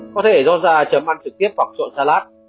có thể do ra chấm ăn trực tiếp hoặc trộn salad